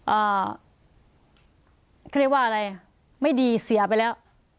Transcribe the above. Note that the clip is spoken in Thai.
อ่าเขาเรียกว่าอะไรไม่ดีเสียไปแล้ว